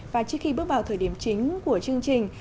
và trước khi bước vào thời điểm chính của chương trình